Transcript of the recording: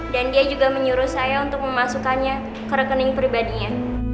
dan dia juga menyuruh saya untuk memasukkannya ke rekening pribadinya